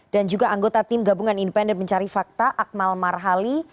dan juga anggota tim gabungan independen mencari fakta akmal marhali